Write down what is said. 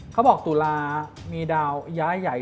เขาบอกตุลามีดาวย้ายใหญ่